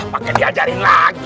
pake diajarin lagi